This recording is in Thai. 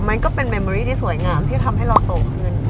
มันก็เป็นเมมอรี่ที่สวยงามที่จะทำให้เราโตขึ้น